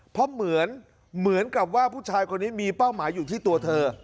เพราะเหมือนกับว่าผู้ชายคนนี้มีเป้าหมายอยู่ที่ตัวเธอ